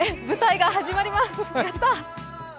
舞台が始まります！